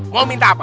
mau minta apa